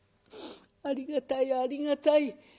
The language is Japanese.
「ありがたいありがたい。